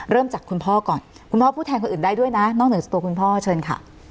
เริ่มจากคุณพ่อก่อนคุณพ่อพูดแทนคนอื่นได้ด้วยนะนอกเหนือจากตัวคุณพ่อเชิญค่ะ